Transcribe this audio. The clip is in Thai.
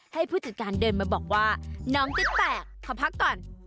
ให้ผู้จัดการเดินมาบอกว่าน้องจิ๊บแตกขอพักก่อน